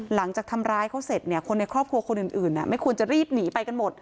หลังจากทำร้ายเขาเสร็จเนี่ยคนในครอบครัวคนอื่นไม่ควรจะรีบหนีไปกันหมด